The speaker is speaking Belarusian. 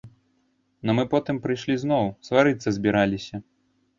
Ну мы потым прыйшлі зноў, сварыцца збіраліся.